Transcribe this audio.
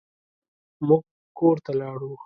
موږ کور ته لاړو.